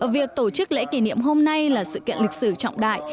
việc tổ chức lễ kỷ niệm hôm nay là sự kiện lịch sử trọng đại